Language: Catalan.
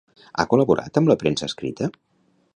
Ha col·laborat amb la premsa escrita?